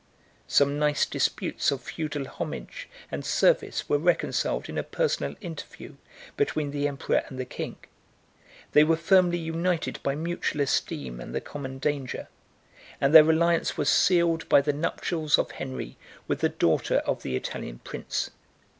Some nice disputes of feudal homage and service were reconciled in a personal interview between the emperor and the king; they were firmly united by mutual esteem and the common danger; and their alliance was sealed by the nuptials of Henry with the daughter of the Italian prince.